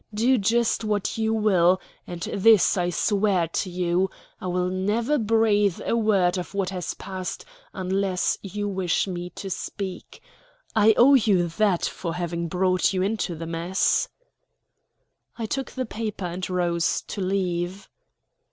Do just what you will. And this I swear to you: I will never breathe a word of what has passed unless you wish me to speak. I owe you that for having brought you into the mess." I took the paper and rose to leave.